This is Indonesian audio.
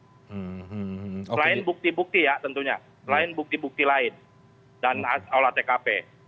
selain bukti bukti ya tentunya selain bukti bukti lain dan olah tkp